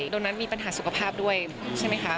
ตรงนั้นมีปัญหาสุขภาพด้วยใช่ไหมคะ